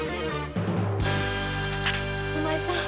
お前さん。